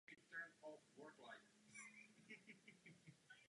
Nejvyšší bod poloostrova se jmenuje Zlatá hora.